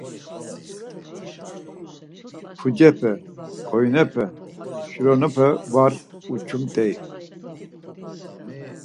Pucepe, ǩoyinepe, şuronepe var uçumt̆ey.